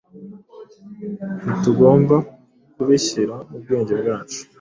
ntitugomba kubishyira mu bwenge bwacu